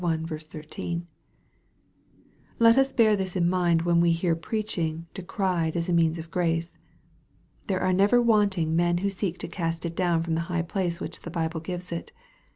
Let us bear this in mind when we hear preaching decried as a means of grace. There are never wanting men who seek to oast it down from the high place which the Bible gives it.